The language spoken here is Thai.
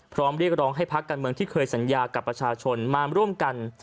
เรียกร้องให้พักการเมืองที่เคยสัญญากับประชาชนมาร่วมกัน